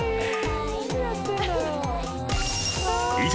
［以上］